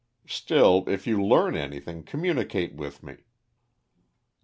Still, if you learn anything, communicate with me."